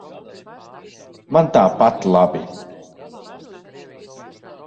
Man tāpat labi.